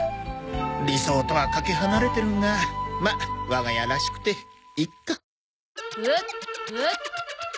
理想とはかけ離れてるがまあ我が家らしくていっか。